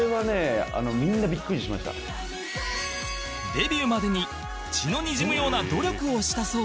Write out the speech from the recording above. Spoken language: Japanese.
デビューまでに血のにじむような努力をしたそうだ